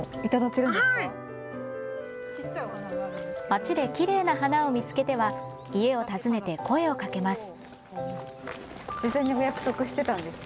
まちできれいな花を見つけては家を訪ねて声をかけます。